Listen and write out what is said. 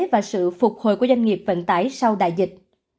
và sự phục hồi của doanh nghiệp vận tải sau đại dịch